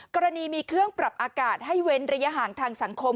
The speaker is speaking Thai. กรณีมีเครื่องปรับอากาศให้เว้นระยะห่างทางสังคม